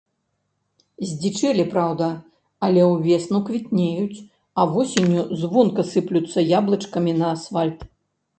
Здзічэлі, праўда, але ўвесну квітнеюць, а восенню звонка сыплюцца яблычкамі на асфальт.